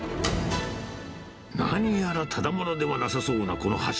何やらただものではなさそうなこの橋。